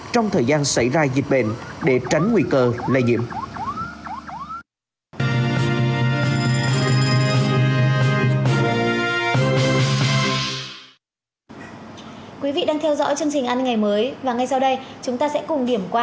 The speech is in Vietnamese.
trong thời gian xảy ra dịch bệnh để tránh nguy cơ lây nhiễm